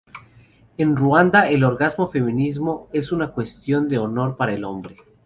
En Ruanda, el orgasmo femenino es una cuestión de honor para el hombre.